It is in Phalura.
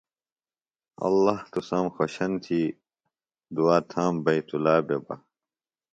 ﷲ تُسام خوشن تھی دعا تھام بیت ﷲ بے بہ۔